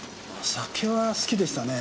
酒は好きでしたね。